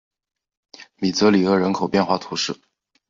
米泽里厄人口变化图示